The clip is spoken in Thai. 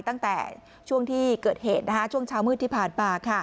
ตั้งแต่ช่วงที่เกิดเหตุช่วงเช้ามืดที่ผ่านมา